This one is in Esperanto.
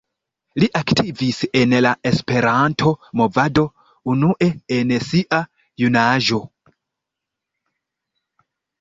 Li aktivis en la Esperanto-movado unue en sia junaĝo.